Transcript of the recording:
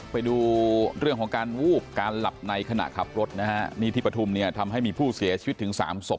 ไปดูเรื่องของการวูบการหลับในขณะขับรถนะฮะนี่ที่ปฐุมเนี่ยทำให้มีผู้เสียชีวิตถึงสามศพ